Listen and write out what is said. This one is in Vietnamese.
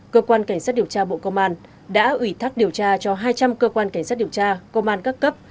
cơ quan cảnh sát điều tra bộ công an đã ủy thác điều tra cho hai trăm linh cơ quan cảnh sát điều tra công an các cấp